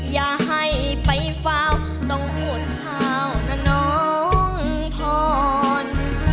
อย่าให้ไปเฝ้าต้องพูดข่าวนะน้องผ่อน